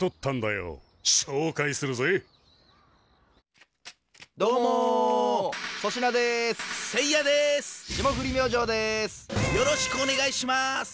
よろしくお願いします。